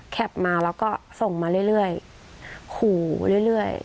มาแล้วก็ส่งมาเรื่อยขู่เรื่อย